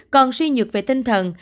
còn suy nhược về tinh thần